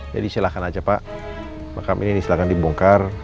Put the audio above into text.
jadi silahkan aja pak makam ini silahkan dibongkar